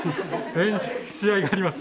試合があります。